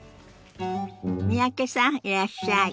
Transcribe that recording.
三宅さんいらっしゃい。